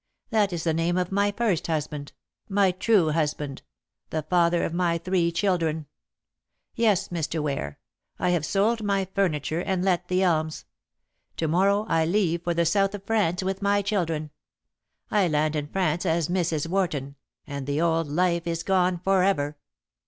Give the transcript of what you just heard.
That is the name of my first husband my true husband the father of my three children. Yes, Mr. Ware, I have sold my furniture, and let The Elms. To morrow I leave for the south of France with my children. I land in France as Mrs. Warton, and the old life is gone for ever.